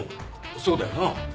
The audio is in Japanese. そうだよな。